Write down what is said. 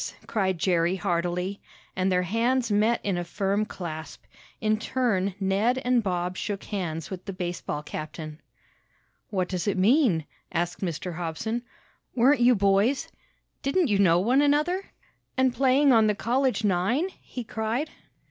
cried Jerry heartily, and their hands met in a firm clasp. In turn Ned and Bob shook hands with the baseball captain. "What does it mean?" asked Mr. Hobson. "Weren't you boys Didn't you know one another and playing on the college nine?" he cried.